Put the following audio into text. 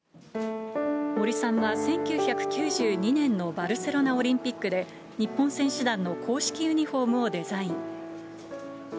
森さんは、１９９２年のバルセロナオリンピックで、日本選手団の公式ユニホームをデザイン。